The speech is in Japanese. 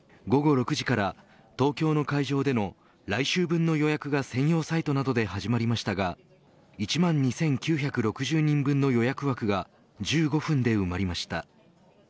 午後６時から東京の会場での来週分の予約が専用サイトなどで始まりましたが１万２９６０人分の予約枠が１５分で埋まりました。